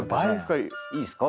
いいですか？